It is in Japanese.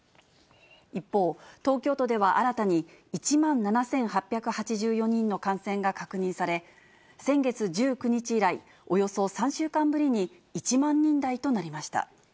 一方、東京都では新たに１万７８８４人の感染が確認され、先月１９日以来、およそ３週間ぶりに１万人台となりました。